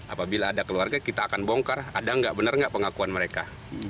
apabila ada keluarga kita akan bongkar ada nggak benar nggak pengakuan mereka